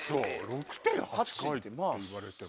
６．８回って言われても。